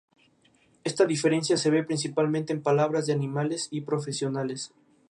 No obstante no fue seleccionada entre las cinco finalistas de la edición.